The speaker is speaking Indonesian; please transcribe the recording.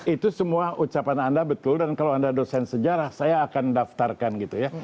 itu semua ucapan anda betul dan kalau anda dosen sejarah saya akan daftarkan gitu ya